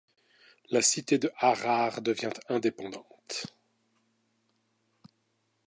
La cité de Harar devient indépendante.